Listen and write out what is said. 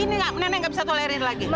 ini nggak nenek nggak bisa tolerir lagi